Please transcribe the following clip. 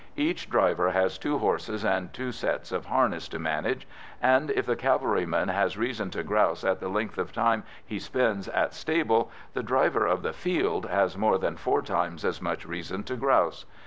Each driver has two horses and two sets of harness to manage, and, if the cavalryman has reason to grouse at the length of time he spends at stables, the driver of the "Field" has more than four times as much reason to grouse.